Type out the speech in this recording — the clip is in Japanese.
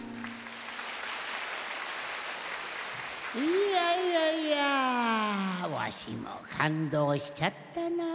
いやいやいやわしもかんどうしちゃったな。